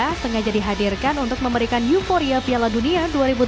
indonesia sengaja dihadirkan untuk memberikan euforia piala dunia dua ribu delapan belas